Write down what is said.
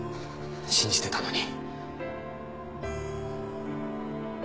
信じてたのに。